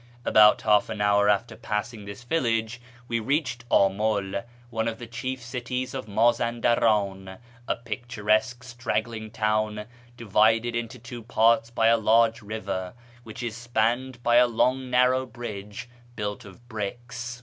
About half an hour after passing this village we reached Amul, oue of the chief cities of Mazaudaran, a picturesque straggling town divided into two parts by a large river, wliich is spanned by a long narrow bridge built of bricks.